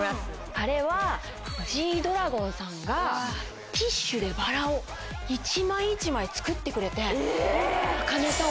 あれはＧ−ＤＲＡＧＯＮさんがティッシュでバラを一枚一枚作ってくれてあかねさん